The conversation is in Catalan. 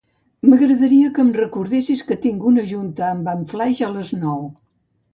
M'agradaria que em recordessis que tinc una junta amb en Flaix a les nou.